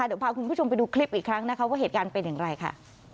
เดี๋ยวพาคุณผู้ชมไปดูคลิปอีกครั้งนะคะว่าเหตุการณ์เป็นอย่างไรค่ะ